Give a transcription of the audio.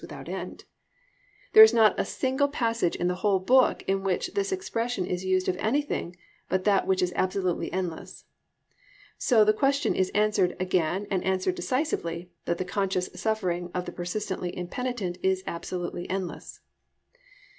without end. _There is not a single passage in the whole book in which this expression is used of anything but that which is absolutely endless._ So the question is answered again and answered decisively that the conscious suffering of the persistently impenitent is absolutely endless.